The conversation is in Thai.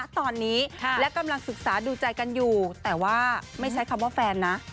ตอนนี้และกำลังศึกษาดูใจกันอยู่แต่ว่าไม่ใช้คำว่าแฟนนะ